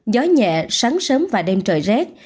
gió nhẹ sáng sớm và đêm trời rét